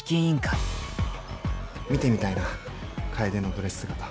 見てみたいな楓のドレス姿。